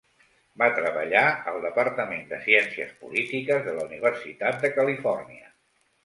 Va treballar al departament de ciències polítiques de la Universitat de Califòrnia.